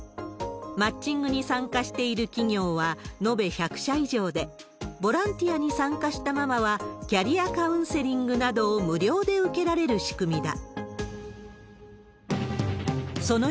マッチングに参加している企業は延べ１００社以上で、ボランティアに参加したママは、キャリアカウンセリングなどを無料で受けられる仕組みだ。